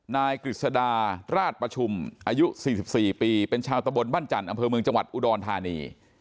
นายกฤษฎาราชประชุมอายุ๔๔ปีเป็นชาวตะบนบ้านจันทร์อำเภอเมืองจังหวัดอุดรธานี